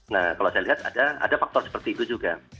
nah kalau saya lihat ada faktor seperti itu juga